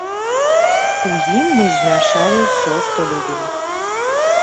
У ім мы змяшалі ўсё, што любім.